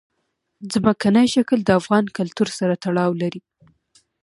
ځمکنی شکل د افغان کلتور سره تړاو لري.